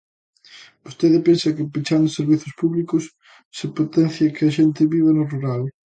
Vostede pensa que pechando servizos públicos se potencia que a xente viva no rural?